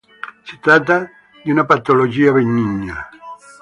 Si tratta di una patologia benigna.